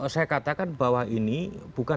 saya katakan bahwa ini bukan